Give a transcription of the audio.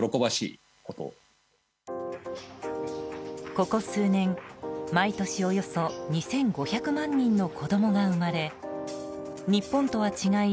ここ数年毎年およそ２５００万人の子供が生まれ日本とは違い